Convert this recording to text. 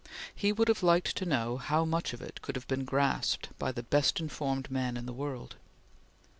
He would have liked to know how much of it could have been grasped by the best informed man in the world.